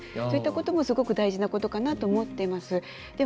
そういったこともすごく大事なことかなと思っています。